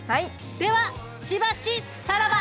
ではしばしさらば。